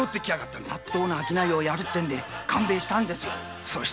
まっとうな商いをやるっていうから勘弁したんですが。